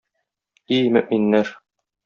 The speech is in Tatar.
И мөэминнәр!